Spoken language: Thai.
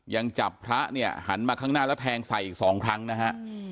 ยังจับพระเนี่ยหันมาข้างหน้าแล้วแทงใส่อีกสองครั้งนะฮะ